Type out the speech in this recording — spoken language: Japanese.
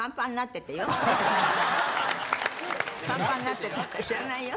パンパンになってたって知らないよ。